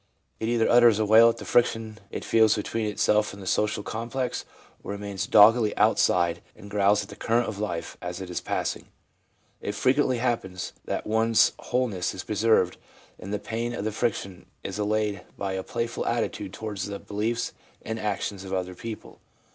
It either utters a wail at the friction it feels between itself and the social complex, or remains doggedly outside and growls at the current of life as it is passing. It frequently happens that one's wholeness is preserved and the pain of the friction is allayed by a playful attitude towards the beliefs and actions of other people.